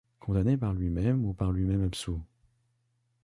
Condamné par lui-même ou par lui-même absous ;